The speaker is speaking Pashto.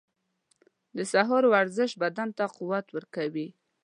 • د سهار ورزش بدن ته قوت ورکوي.